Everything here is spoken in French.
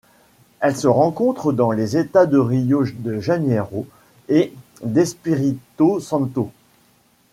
Elle se rencontre dans les États de Rio de Janeiro et d'Espírito Santo.